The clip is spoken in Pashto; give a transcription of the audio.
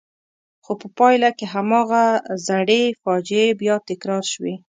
خو په پایله کې هماغه زړې فاجعې بیا تکرار شوې.